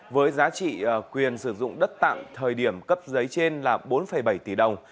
với giá trị quyền sử dụng đất tặng thời điểm cấp giấy trên là bốn bảy tỷ đồng